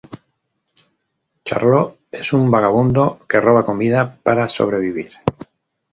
Charlot es un vagabundo que roba comida para sobrevivir.